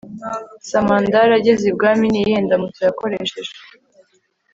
samandari ageze i bwami ni iyihe ndamutso yakoresheje